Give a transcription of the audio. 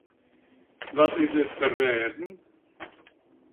Wat is der te rêden?